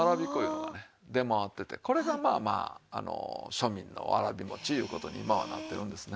これがまあまあ庶民のわらび餅いう事に今はなってるんですね。